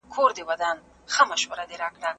موږ باید د انټرنیټ په کارولو کې توازن وساتو.